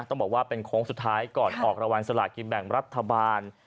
ต้องบอกว่าเป็นโค้งสุดท้ายก่อนออกรางวัลสลากินแบ่งรัฐบาล